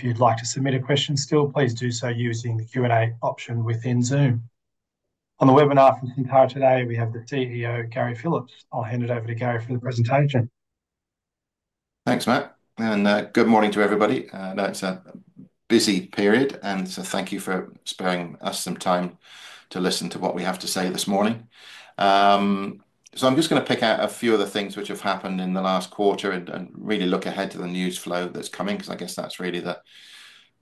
If you'd like to submit a question still, please do so using the Q&A option within Zoom. On the webinar from Syntara today, we have the CEO, Gary Phillips. I'll hand it over to Gary for the presentation. Thanks Matt. Good morning to everybody, it's a busy period and thank you for sparing us some time to listen to what we have to say this morning. I'm just going to pick out a few of the things which have happened in the last quarter and really look ahead to the news flow that's coming, because I guess that's really the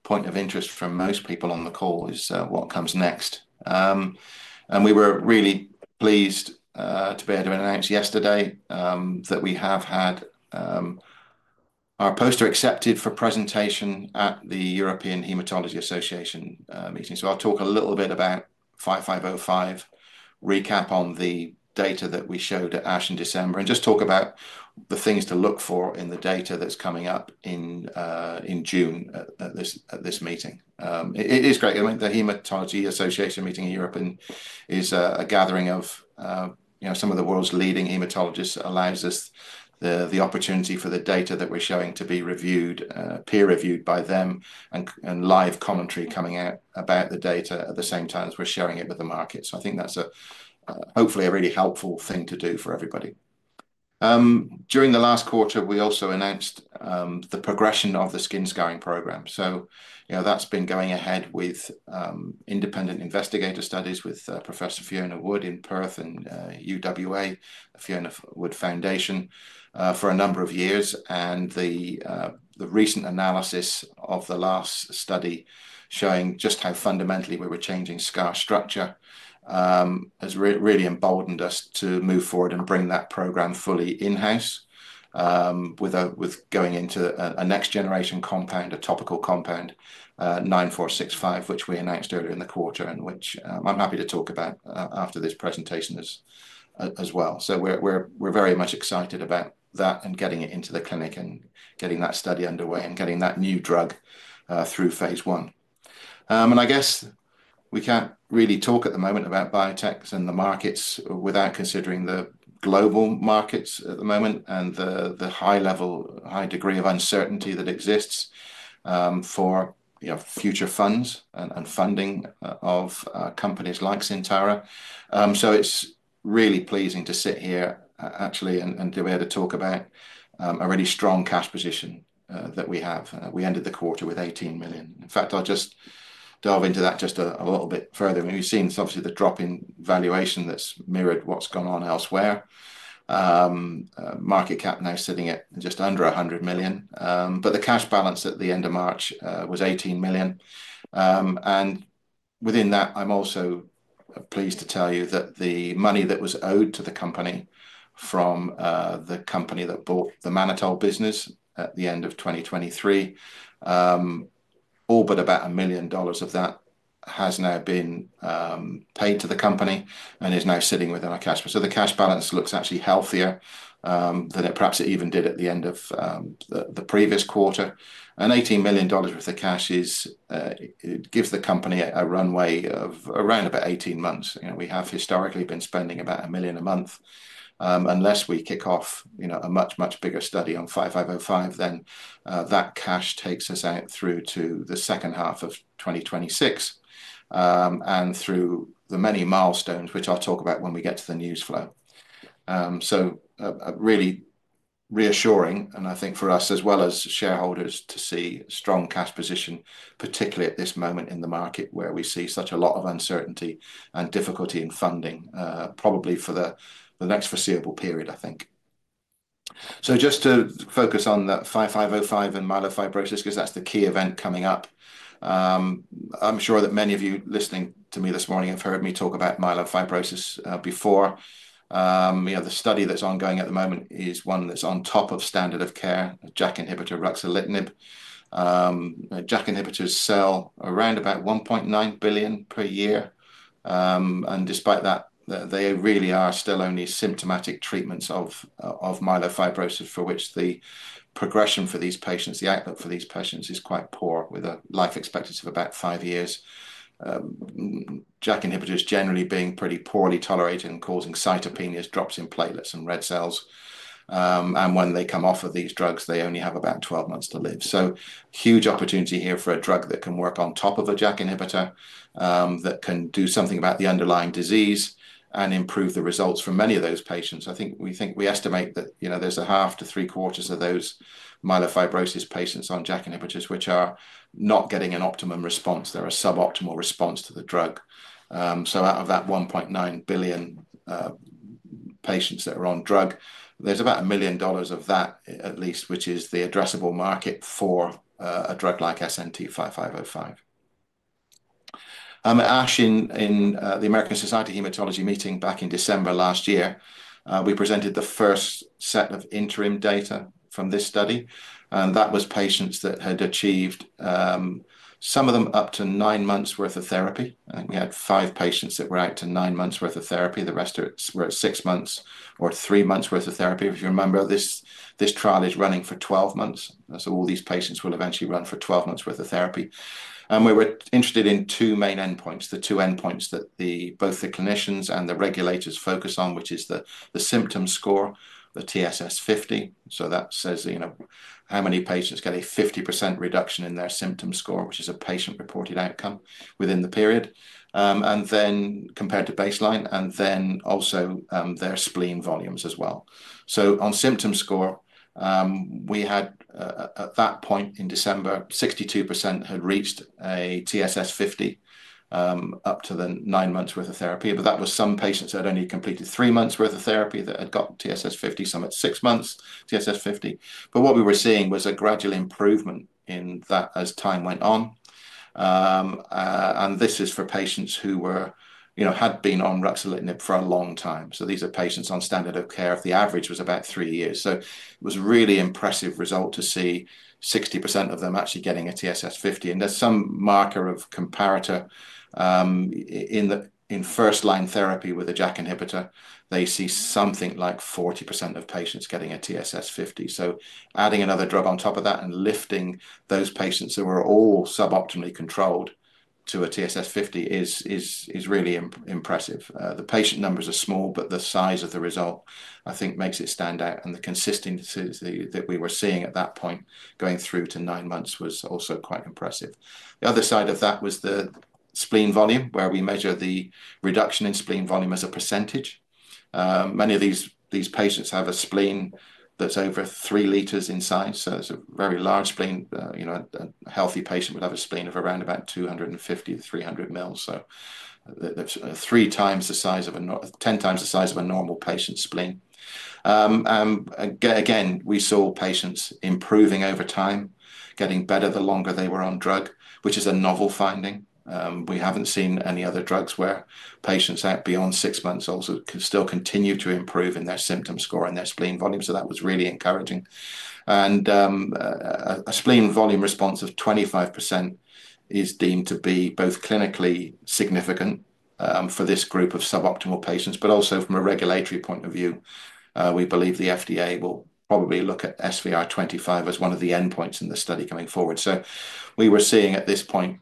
point of interest for most people on the call, what comes next. We were really pleased to be able to announce yesterday that we have had our poster accepted for presentation at the European Hematology Association meeting. I'll talk a little bit about 5505, recap on the data that we showed at ASH in December, and just talk about the things to look for in the data that's coming up in June at this meeting. It is great. I mean, the Hematology Association meeting in Europe is a gathering of some of the world's leading hematologists, allows us the opportunity for the data that we're showing to be reviewed, peer-reviewed by them, and live commentary coming out about the data at the same time as we're sharing it with the market. I think that's hopefully a really helpful thing to do for everybody. During the last quarter, we also announced the progression of the Skin Scarring Program. That's been going ahead with independent investigator studies with Professor Fiona Wood in Perth and UWA, Fiona Wood Foundation, for a number of years. The recent analysis of the last study showing just how fundamentally we were changing scar structure has really emboldened us to move forward and bring that program fully in-house with going into a next-generation compound, a topical compound 9465, which we announced earlier in the quarter and which I'm happy to talk about after this presentation as well. We are very much excited about that and getting it into the clinic and getting that study underway and getting that new drug through phase I. I guess we can't really talk at the moment about biotechs and the markets without considering the global markets at the moment and the high level, high degree of uncertainty that exists for future funds and funding of companies like Syntara. It is really pleasing to sit here actually and to be able to talk about a really strong cash position that we have. We ended the quarter with $18 million. In fact, I'll just delve into that just a little bit further. We've seen obviously the drop in valuation that's mirrored what's gone on elsewhere. Market cap now sitting at just under $100 million. The cash balance at the end of March was $18 million. Within that, I'm also pleased to tell you that the money that was owed to the company from the company that bought the mannitol business at the end of 2023, all but about $1 million of that has now been paid to the company and is now sitting within our cash. The cash balance looks actually healthier than it perhaps even did at the end of the previous quarter. $18 million worth of cash gives the company a runway of around about 18 months. We have historically been spending about $1 million a month unless we kick off a much, much bigger study on 5505, then that cash takes us out through to the second half of 2026 and through the many milestones which I'll talk about when we get to the news flow. It is really reassuring, and I think for us as well as shareholders to see a strong cash position, particularly at this moment in the market where we see such a lot of uncertainty and difficulty in funding, probably for the next foreseeable period, I think. Just to focus on that 5505 and myelofibrosis, because that's the key event coming up. I'm sure that many of you listening to me this morning have heard me talk about myelofibrosis before. The study that's ongoing at the moment is one that's on top of standard of care, a JAK inhibitor, ruxolitinib. JAK inhibitors sell around about $1.9 billion per year. Despite that, they really are still only symptomatic treatments of myelofibrosis for which the progression for these patients, the outlook for these patients is quite poor, with a life expectancy of about five years. JAK inhibitors generally being pretty poorly tolerated and causing cytopenias, drops in platelets and red cells. When they come off of these drugs they only have about 12 months to live. Huge opportunity here for a drug that can work on top of a JAK inhibitor, that can do something about the underlying disease and improve the results for many of those patients. I think we estimate that there's a half to three quarters of those myelofibrosis patients on JAK inhibitors which are not getting an optimum response. They're a suboptimal response to the drug. Out of that 1.9 billion patients that are on drug, there's about $1 billion of that at least, which is the addressable market for a drug like SNT-5505. At ASH, in the American Society of Hematology meeting back in December last year, we presented the first set of interim data from this study. That was patients that had achieved, some of them, up to nine months worth of therapy. I think we had five patients that were out to nine months worth of therapy. The rest were at six months or three months worth of therapy. If you remember, this trial is running for 12 months. All these patients will eventually run for 12 months worth of therapy. We were interested in two main endpoints, the two endpoints that both the clinicians and the regulators focus on, which is the symptom score, the TSS50. That says how many patients get a 50% reduction in their symptom score, which is a patient-reported outcome within the period, and then compared to baseline, and also their spleen volumes as well. On symptom score, we had at that point in December 62% had reached a TSS50 up to the nine months worth of therapy. That was some patients that had only completed three months worth of therapy that had gotten TSS50, some at six months, TSS50. What we were seeing was a gradual improvement in that as time went on. This is for patients who had been on ruxolitinib for a long time. These are patients on standard of care if the average was about three years. It was a really impressive result to see 60% of them actually getting a TSS50. There is some marker of comparator in first-line therapy with a JAK inhibitor. They see something like 40% of patients getting a TSS50. Adding another drug on top of that and lifting those patients who were all suboptimally controlled to a TSS50 is really impressive. The patient numbers are small, but the size of the result, I think, makes it stand out. The consistency that we were seeing at that point going through to nine months was also quite impressive. The other side of that was the spleen volume, where we measure the reduction in spleen volume as a percentage. Many of these patients have a spleen that is over three L in size. It is a very large spleen. A healthy patient would have a spleen of around about 250 to 300 mL That is 10 times the size of a normal patient's spleen. Again, we saw patients improving over time, getting better the longer they were on drug, which is a novel finding. We have not seen any other drugs where patients out beyond six months also can still continue to improve in their symptom score and their spleen volume. That was really encouraging. A spleen volume response of 25% is deemed to be both clinically significant for this group of suboptimal patients, but also from a regulatory point of view, we believe the FDA will probably look at SVR25 as one of the endpoints in the study coming forward. We were seeing at this point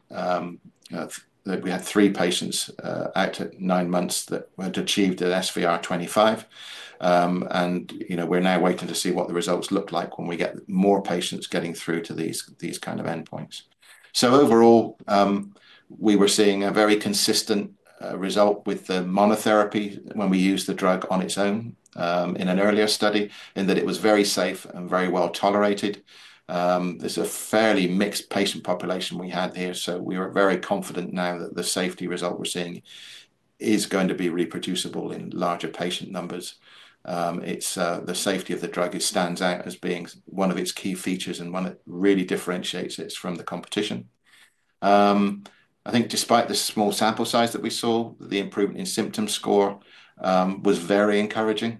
that we had three patients out at nine months that had achieved an SVR25. We are now waiting to see what the results look like when we get more patients getting through to these kind of endpoints. Overall, we were seeing a very consistent result with the monotherapy when we used the drug on its own in an earlier study in that it was very safe and very well tolerated. There's a fairly mixed patient population we had here. We are very confident now that the safety result we are seeing is going to be reproducible in larger patient numbers. The safety of the drug stands out as being one of its key features and one that really differentiates it from the competition. I think despite the small sample size that we saw, the improvement in symptom score was very encouraging.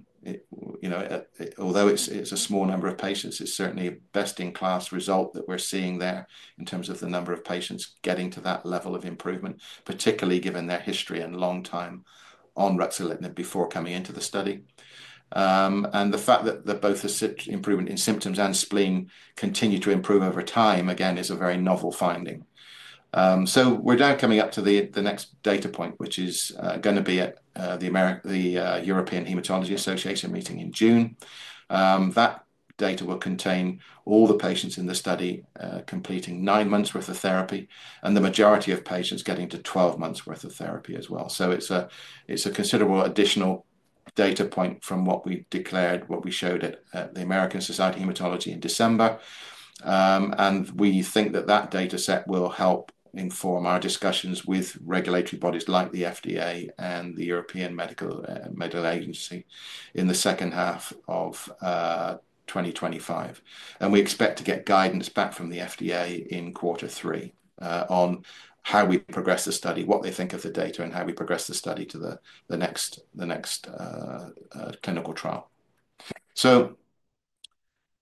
Although it's a small number of patients, it's certainly a best-in-class result that we're seeing there in terms of the number of patients getting to that level of improvement, particularly given their history and long time on ruxolitinib before coming into the study. The fact that both the improvement in symptoms and spleen continue to improve over time, again is a very novel finding. We are now coming up to the next data point, which is going to be at the European Hematology Association meeting in June. That data will contain all the patients in the study completing nine months' worth of therapy and the majority of patients getting to 12 months worth of therapy as well. It is a considerable additional data point from what we declared, what we showed at the American Society of Hematology in December. We think that that data set will help inform our discussions with regulatory bodies like the FDA and the European Medicines Agency in the second half of 2025. We expect to get guidance back from the FDA in quarter three on how we progress the study, what they think of the data, and how we progress the study to the next clinical trial.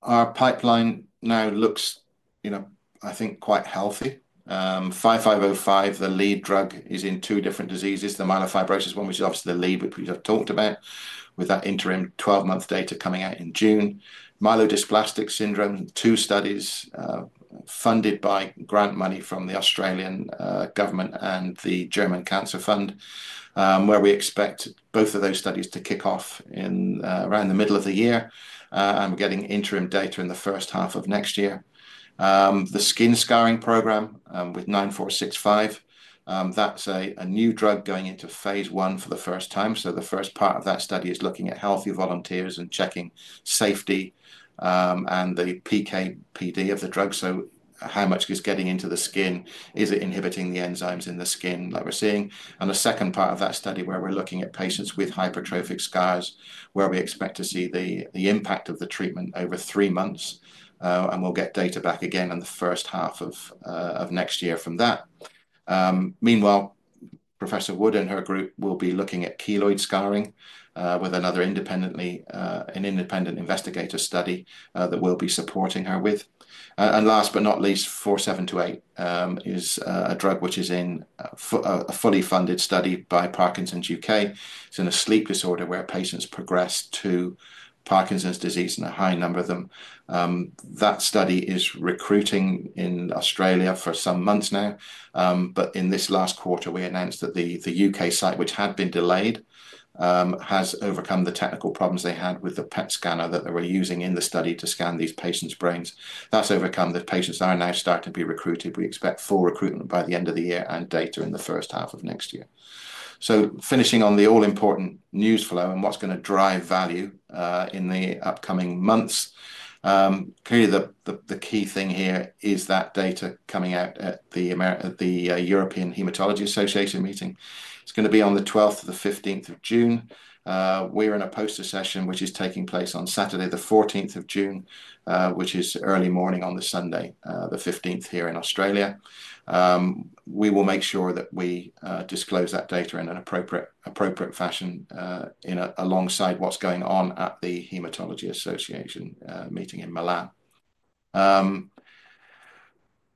Our pipeline now looks, I think, quite healthy. 5505, the lead drug is in two different diseases. The myelofibrosis one, which is obviously the lead that we've talked about with that interim 12-month data coming out in June. Myelodysplastic syndrome, two studies funded by grant money from the Australian government and the German Cancer Fund, where we expect both of those studies to kick off around the middle of the year. We're getting interim data in the first half of next year. The Skin Scarring Program with 9465, that's a new drug going into phase I for the first time. The first part of that study is looking at healthy volunteers and checking safety and the PKPD of the drug. How much is getting into the skin? Is it inhibiting the enzymes in the skin that we're seeing? The second part of that study is where we're looking at patients with hypertrophic scars, where we expect to see the impact of the treatment over three months. We'll get data back again in the first half of next year from that. Meanwhile, Professor Wood and her group will be looking at keloid scarring with another independent investigator study that we'll be supporting her with. Last but not least, 4728 is a drug which is in a fully funded study by Parkinson's UK. It's in a sleep disorder where patients progress to Parkinson's disease in a high number of them. That study is recruiting in Australia for some months now. In this last quarter, we announced that the U.K. site, which had been delayed, has overcome the technical problems they had with the PET scanner that they were using in the study to scan these patients' brains. That's overcome. The patients are now starting to be recruited. We expect full recruitment by the end of the year and data in the first half of next year. Finishing on the all-important news flow and what's going to drive value in the upcoming months. Clearly, the key thing here is that data coming out at the European Hematology Association meeting. It's going to be on the 12th to the 15th of June. We're in a poster session, which is taking place on Saturday, the 14th of June, which is early morning on the Sunday, the 15th here in Australia. We will make sure that we disclose that data in an appropriate fashion alongside what's going on at the Hematology Association meeting in Milan.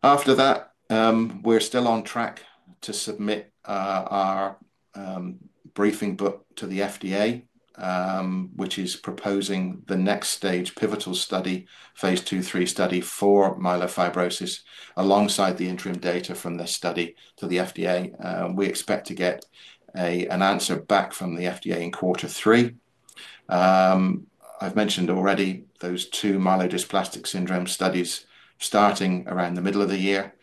After that, we're still on track to submit our briefing book to the FDA, which is proposing the next stage pivotal study, phase II, III study for myelofibrosis alongside the interim data from this study to the FDA. We expect to get an answer back from the FDA in quarter three. I've mentioned already those two myelodysplastic syndrome studies starting around the middle of the year,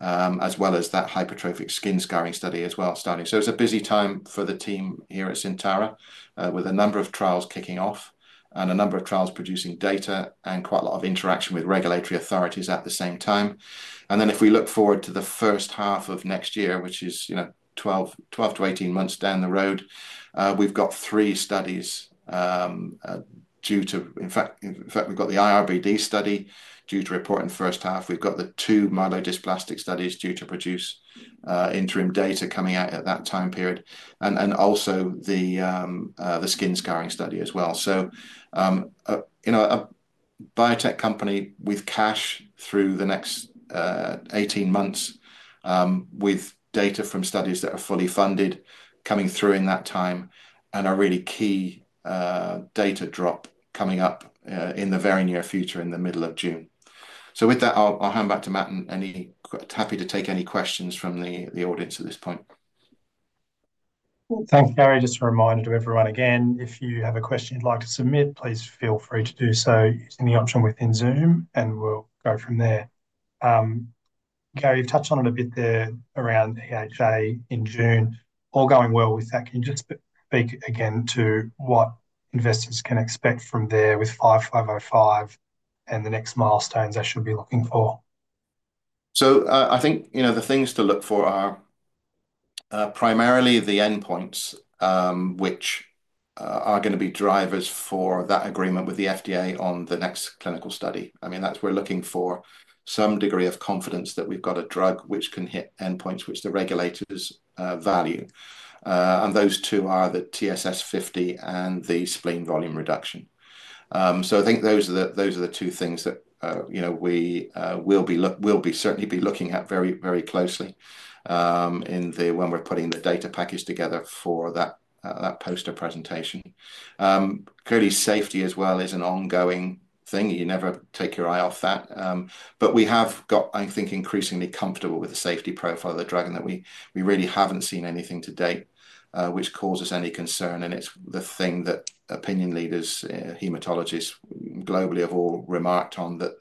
as well as that hypertrophic skin scarring study as well starting. It's a busy time for the team here at Syntara with a number of trials kicking off and a number of trials producing data and quite a lot of interaction with regulatory authorities at the same time. If we look forward to the first half of next year, which is 12 to 18 months down the road, we've got three studies due to, in fact we've got the IRBD study due to report in the first half. We've got the two myelodysplastic studies due to produce interim data coming out at that time period. Also the skin scarring study as well. In a biotech company, we've cash through the next 18 months with data from studies that are fully funded coming through in that time and a really key data drop coming up in the very near future in the middle of June. With that, I'll hand back to Matt and happy to take any questions from the audience at this point. Thanks, Gary. Just a reminder to everyone again, if you have a question you'd like to submit please feel free to do so using the option within Zoom, and we'll go from there. Gary you've touched on it a bit there around EHA in June. All going well with that. Can you just speak again to what investors can expect from there with 5505 and the next milestones they should be looking for? I think the things to look for are primarily the endpoints which are going to be drivers for that agreement with the FDA on the next clinical study. I mean, that's we're looking for some degree of confidence that we've got a drug which can hit endpoints which the regulators value. Those two are the TSS50 and the spleen volume reduction. I think those are the two things that we will certainly be looking at very, very closely when we are putting the data package together for that poster presentation. Clearly, safety as well is an ongoing thing you never take your eye off that. We have got, I think, increasingly comfortable with the safety profile of the drug and that we really have not seen anything to date which causes any concern. It is the thing that opinion leaders, hematologists globally have all remarked on, that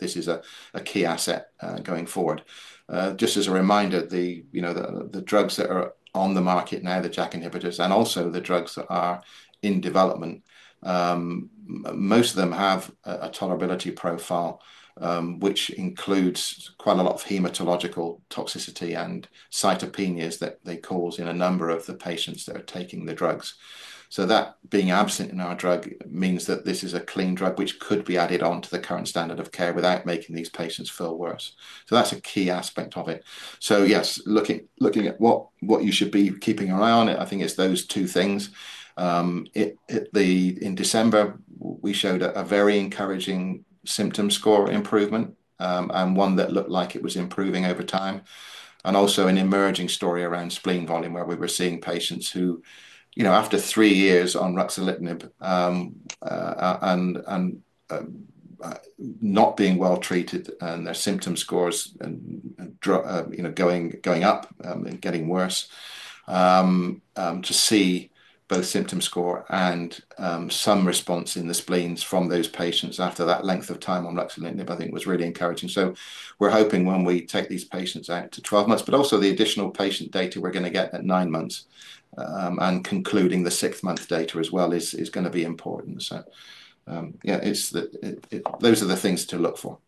this is a key asset going forward. Just as a reminder, the drugs that are on the market now, the JAK inhibitors, and also the drugs that are in development, most of them have a tolerability profile which includes quite a lot of hematological toxicity and cytopenias that they cause in a number of the patients that are taking the drugs. That being absent in our drug means that this is a clean drug which could be added on to the current standard of care without making these patients feel worse. That is a key aspect of it. Yes, looking at what you should be keeping your eye on, I think it is those two things. In December, we showed a very encouraging symptom score improvement and one that looked like it was improving over time. And also an emerging story around spleen volume where we were seeing patients who, after three years on ruxolitinib and not being well treated, and their symptom scores going up and getting worse, to see both symptom score and some response in the spleens from those patients after that length of time on ruxolitinib, I think was really encouraging. We are hoping when we take these patients out to 12 months, but also the additional patient data we are going to get at nine months and concluding the six-month data as well is going to be important. Those are the things to look for.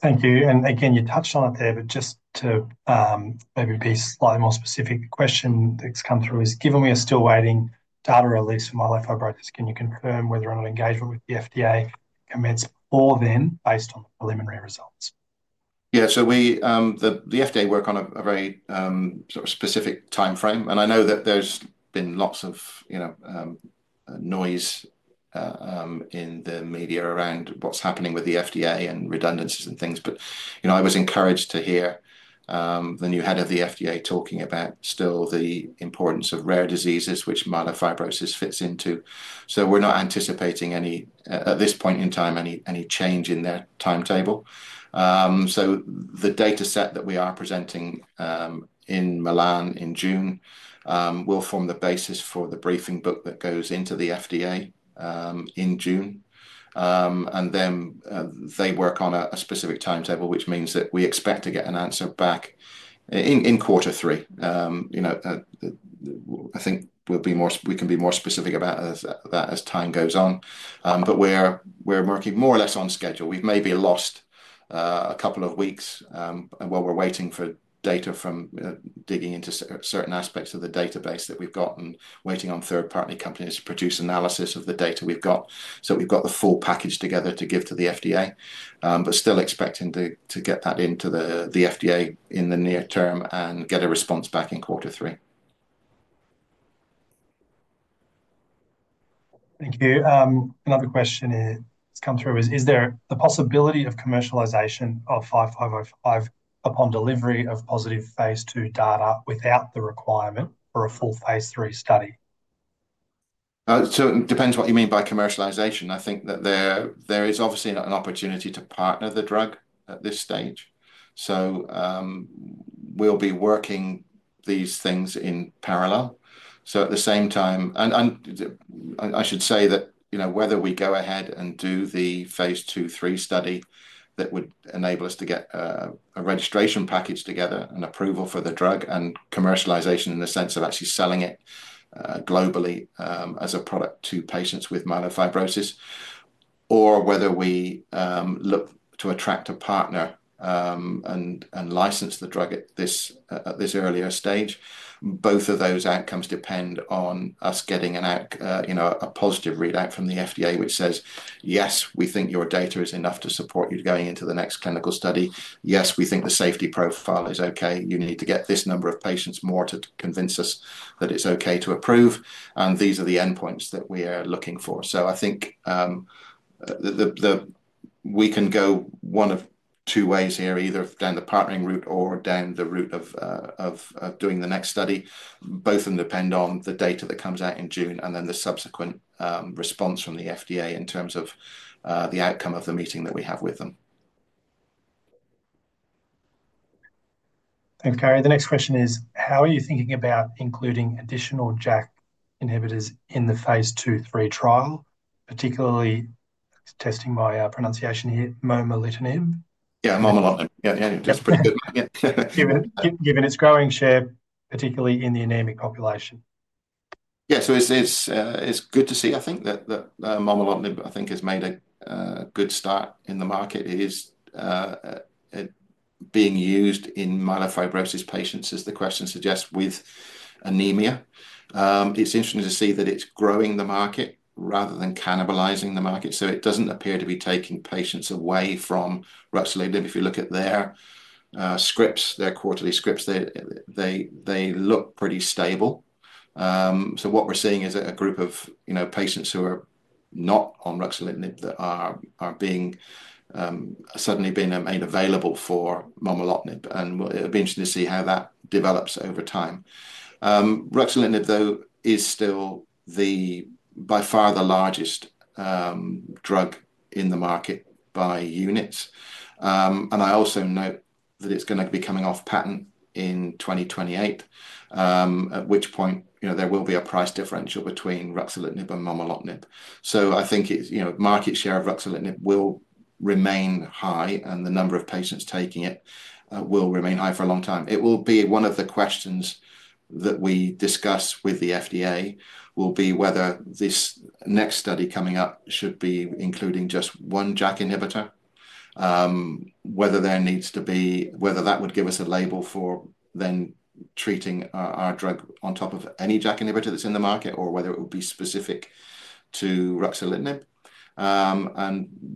Thank you. You touched on it there, but just to maybe be slightly more specific, the question that's come through is, given we are still waiting data release from myelofibrosis, can you confirm whether or not engagement with the FDA commenced before then based on preliminary results? Yeah. The FDA work on a very sort of specific timeframe. I know that there's been lots of noise in the media around what's happening with the FDA and redundancies and things. I was encouraged to hear the new head of the FDA talking about still the importance of rare diseases, which myelofibrosis fits into. We are not anticipating at this point in time any change in their timetable. The data set that we are presenting in Milan in June will form the basis for the briefing book that goes into the FDA in June. They work on a specific timetable, which means that we expect to get an answer back in quarter three. I think we can be more specific about that as time goes on. We are working more or less on schedule. We've maybe lost a couple of weeks while we're waiting for data from digging into certain aspects of the database that we've got and waiting on third-party companies to produce analysis of the data we've got. We've got the full package together to give to the FDA, but still expecting to get that into the FDA in the near term and get a response back in quarter three. Thank you. Another question that's come through is, is there the possibility of commercialization of 5505 upon delivery of positive phase II data without the requirement for a full phase III study? It depends what you mean by commercialization. I think that there is obviously an opportunity to partner the drug at this stage. We will be working these things in parallel. At the same time, and I should say that whether we go ahead and do the phase II, study that would enable us to get a registration package together, an approval for the drug and commercialization in the sense of actually selling it globally as a product to patients with myelofibrosis, or whether we look to attract a partner and license the drug at this earlier stage, both of those outcomes depend on us getting a positive readout from the FDA, which says, "Yes, we think your data is enough to support you going into the next clinical study. Yes, we think the safety profile is okay. You need to get this number of patients more to convince us that it's okay to approve. These are the endpoints that we are looking for. I think we can go one of two ways here, either down the partnering route or down the route of doing the next study. Both of them depend on the data that comes out in June and then the subsequent response from the FDA in terms of the outcome of the meeting that we have with them. Thanks, Gary. The next question is, how are you thinking about including additional JAK inhibitors in the phase II, III trial, particularly testing my pronunciation here? Yeah, momelotinib. Yeah, yeah. That's pretty good. Given its growing share, particularly in the anaemic population. Yeah. It's good to see I think, that momelotinib, I think has made a good start in the market. It is being used in myelofibrosis patients, as the question suggests with anemia. It's interesting to see that it's growing the market rather than cannibalizing the market. It does not appear to be taking patients away from ruxolitinib. If you look at their scripts, their quarterly scripts, they look pretty stable. What we're seeing is a group of patients who are not on ruxolitinib that are suddenly being made available for momelotinib. It will be interesting to see how that develops over time. Ruxolitinib, though, is still by far the largest drug in the market by units. I also note that it's going to be coming off patent in 2028, at which point there will be a price differential between ruxolitinib and momelotinib. I think market share of ruxolitinib will remain high, and the number of patients taking it will remain high for a long time. It will be one of the questions that we discuss with the FDA, will be whether this next study coming up should be including just one JAK inhibitor, whether there needs to be whether that would give us a label for then treating our drug on top of any JAK inhibitor that's in the market, or whether it would be specific to ruxolitinib.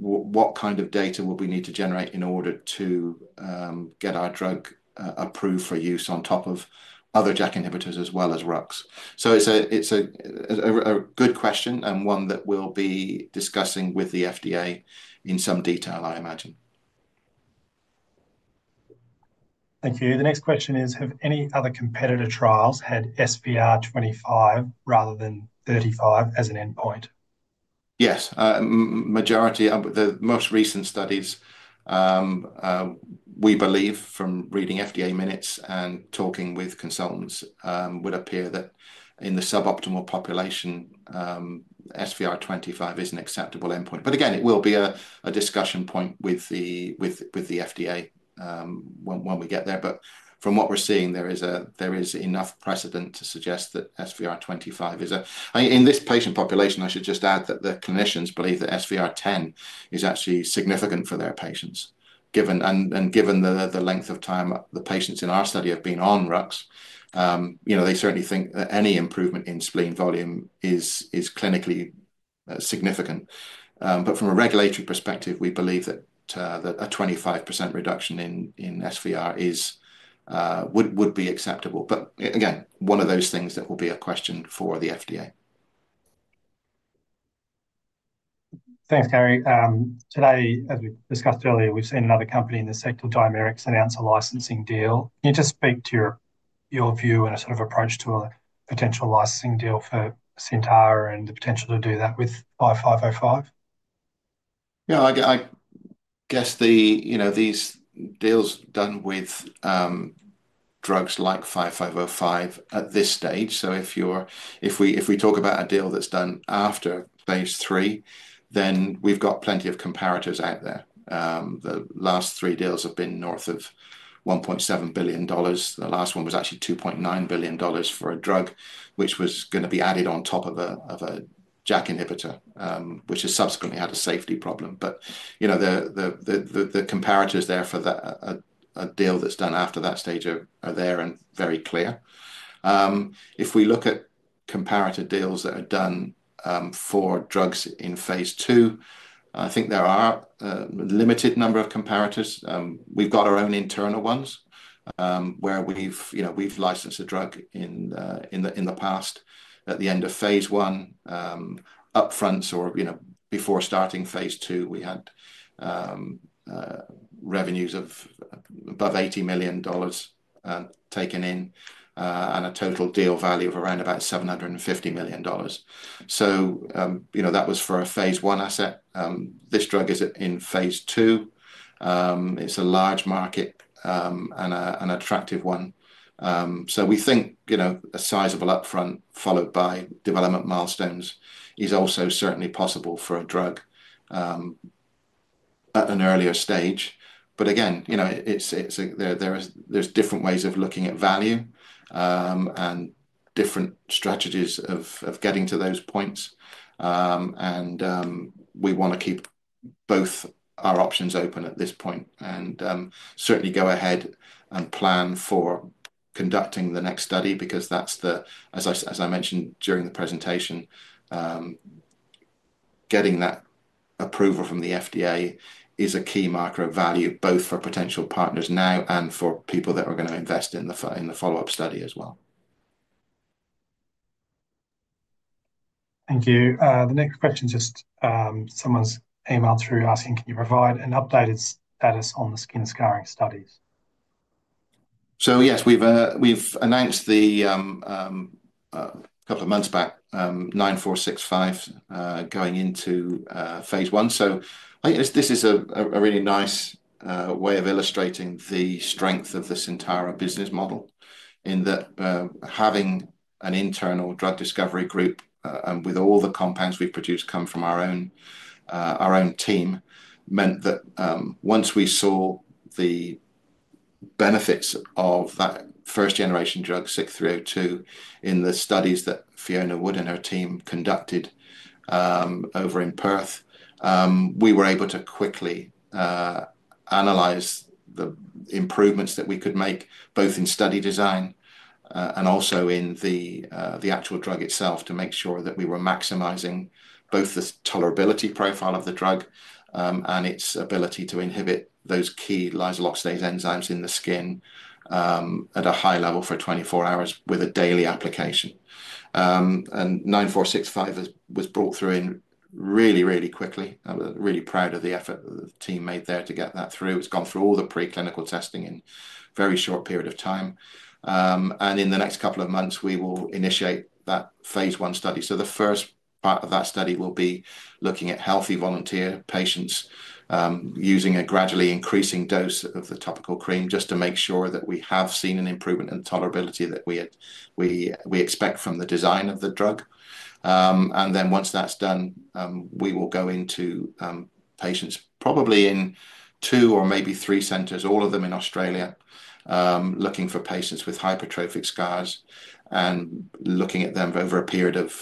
What kind of data will we need to generate in order to get our drug approved for use on top of other JAK inhibitors as well as RUX? It is a good question and one that we'll be discussing with the FDA in some detail, I imagine. Thank you. The next question is, have any other competitor trials had SVR25 rather than 35 as an endpoint? Yes. The most recent studies, we believe from reading FDA minutes and talking with consultants, would appear that in the suboptimal population, SVR25 is an acceptable endpoint. It will be a discussion point with the FDA when we get there. From what we're seeing, there is enough precedent to suggest that SVR25 is a, in this patient population, I should just add that the clinicians believe that SVR10 is actually significant for their patients. Given the length of time the patients in our study have been on RUX, they certainly think that any improvement in spleen volume is clinically significant. From a regulatory perspective, we believe that a 25% reduction in SVR would be acceptable. One of those things that will be a question for the FDA. Thanks, Gary. Today, as we discussed earlier, we've seen another company in the sector, Dimerix, announce a licensing deal. Can you just speak to your view and a sort of approach to a potential licensing deal for Syntara and the potential to do that with 5505? Yeah, I guess these deals done with drugs like 5505 at this stage. If we talk about a deal that's done after phase III, then we've got plenty of comparators out there. The last three deals have been north of $1.7 billion. The last one was actually $2.9 billion for a drug which was going to be added on top of a JAK inhibitor, which has subsequently had a safety problem. The comparators there for a deal that's done after that stage are there and very clear. If we look at comparator deals that are done for drugs in phase II, I think there are a limited number of comparators. We've got our own internal ones where we've licensed a drug in the past. At the end of phase I, upfronts or before starting phase II, we had revenues of above $80 million taken in and a total deal value of around about $750 million. That was for a phase II asset. This drug is in phase II It's a large market and an attractive one. We think a sizable upfront followed by development milestones is also certainly possible for a drug at an earlier stage. Again, there's different ways of looking at value and different strategies of getting to those points. We want to keep both our options open at this point and certainly go ahead and plan for conducting the next study because that's the, as I mentioned during the presentation, getting that approval from the FDA is a key marker of value both for potential partners now and for people that are going to invest in the follow-up study as well. Thank you. The next question, just someone's emailed through asking, can you provide an updated status on the skin scarring studies? Yes, we've announced a couple of months back, 9465, going into phase I. I think this is a really nice way of illustrating the strength of this entire business model in that having an internal drug discovery group and with all the compounds we've produced come from our own team meant that once we saw the benefits of that first-generation drug, SIG-302, in the studies that Fiona Wood and her team conducted over in Perth, we were able to quickly analyze the improvements that we could make both in study design and also in the actual drug itself to make sure that we were maximizing both the tolerability profile of the drug and its ability to inhibit those key lysolocasase enzymes in the skin at a high level for 24 hours with a daily application. And 9465 was brought through really, really quickly. I'm really proud of the effort the team made there to get that through. It's gone through all the preclinical testing in a very short period of time. In the next couple of months, we will initiate that phase I study. The first part of that study will be looking at healthy volunteer patients using a gradually increasing dose of the topical cream just to make sure that we have seen an improvement in tolerability that we expect from the design of the drug. Once that's done, we will go into patients probably in two or maybe three centers, all of them in Australia, looking for patients with hypertrophic scars and looking at them over a period of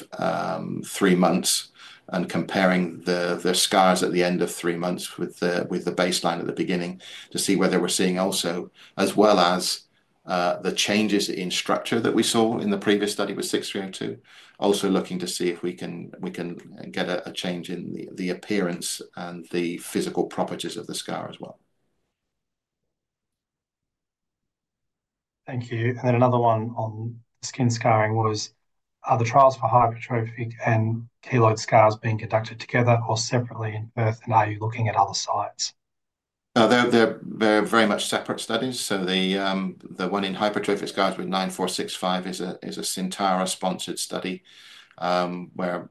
three months and comparing the scars at the end of three months with the baseline at the beginning to see whether we're seeing also, as well as the changes in structure that we saw in the previous study with SIG-302, also looking to see if we can get a change in the appearance and the physical properties of the scar as well. Thank you. Another one on skin scarring was, are the trials for hypertrophic and keloid scars being conducted together or separately in Perth, and are you looking at other sites? They're very much separate studies. The one in hypertrophic scars with 9465 is a Syntara-sponsored study where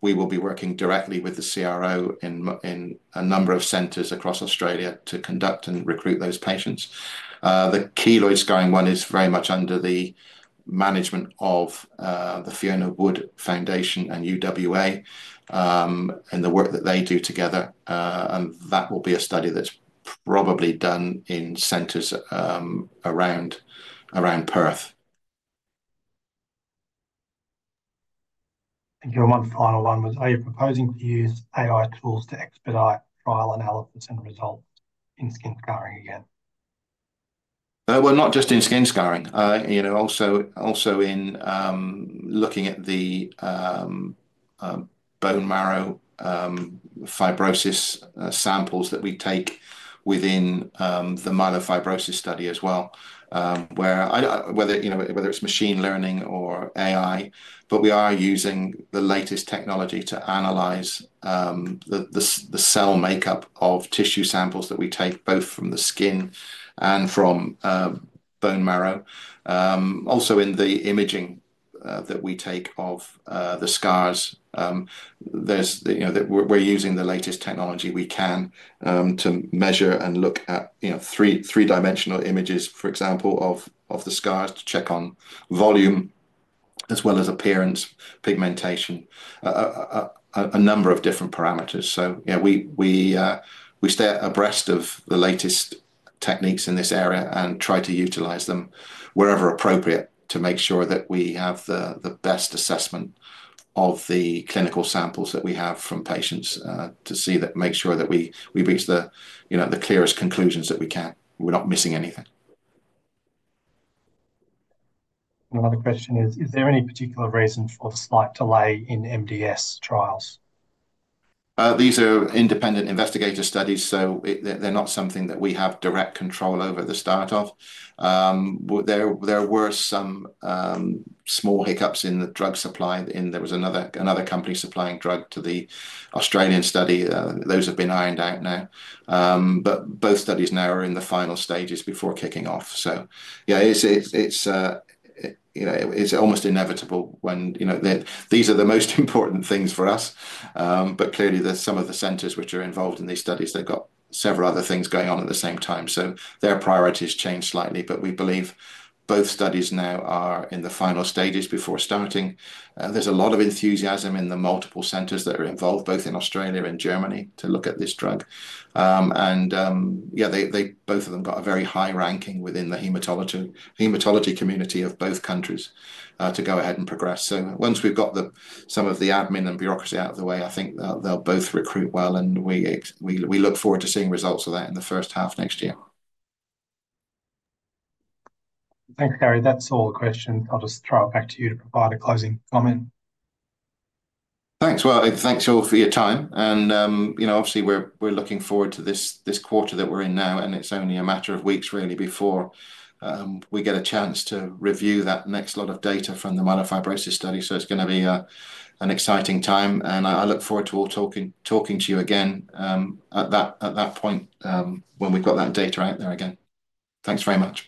we will be working directly with the CRO in a number of centers across Australia to conduct and recruit those patients. The keloid scarring one is very much under the management of the Fiona Wood Foundation and UWA and the work that they do together. That will be a study that is probably done in centers around Perth. Thank you. One final one was, are you proposing to use AI tools to expedite trial analysis and results in skin scarring again? Not just in skin scarring, also in looking at the bone marrow fibrosis samples that we take within the myelofibrosis study as well, whether it is machine learning or AI. We are using the latest technology to analyze the cell makeup of tissue samples that we take both from the skin and from bone marrow. Also, in the imaging that we take of the scars, we're using the latest technology we can to measure and look at three-dimensional images, for example, of the scars to check on volume as well as appearance, pigmentation, a number of different parameters. Yeah, we stay abreast of the latest techniques in this area and try to utilize them wherever appropriate to make sure that we have the best assessment of the clinical samples that we have from patients to make sure that we reach the clearest conclusions that we can we're not missing anything. Another question is, is there any particular reason for the slight delay in MDS trials? These are independent investigator studies, so they're not something that we have direct control over at the start of. There were some small hiccups in the drug supply. There was another company supplying drug to the Australian study. Those have been ironed out now. Both studies now are in the final stages before kicking off. Yeah, it's almost inevitable when these are the most important things for us. Clearly, some of the centers which are involved in these studies, they've got several other things going on at the same time. Their priorities change slightly. We believe both studies now are in the final stages before starting. There's a lot of enthusiasm in the multiple centers that are involved, both in Australia and Germany, to look at this drug. Yeah, both of them got a very high ranking within the hematology community of both countries to go ahead and progress. Once we've got some of the admin and bureaucracy out of the way, I think they'll both recruit well. We look forward to seeing results of that in the first half next year. Thanks, Gary. That's all the questions. I'll just throw it back to you to provide a closing comment. Thanks. Thanks all for your time. Obviously, we're looking forward to this quarter that we're in now. It's only a matter of weeks, really, before we get a chance to review that next lot of data from the myelofibrosis study. It's going to be an exciting time. I look forward to talking to you again at that point when we've got that data out there again. Thanks very much.